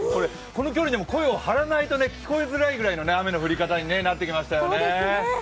この距離でも声を張らないと聞こえづらいくらいの雨の降り方になってきましたよね。